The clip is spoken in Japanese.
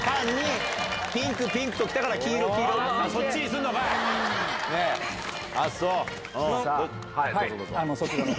ピンク、ピンクときたから、黄色黄色って、そっちにすんのかい！